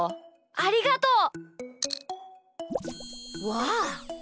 ありがとう！わあ！